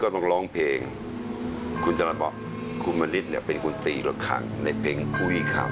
ต้องร้องเพลงคุณจรัสบอกคุณมณิษฐ์เนี่ยเป็นคนตีรถขังในเพลงปุ๋ยคำ